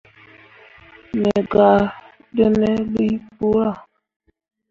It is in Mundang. Me gah ɗǝǝne lii kpura.